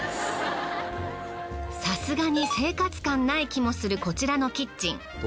さすがに生活感ない気もするこちらのキッチン。